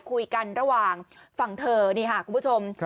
คุยกันระหว่างฝั่งเธอนี่ค่ะคุณผู้ชม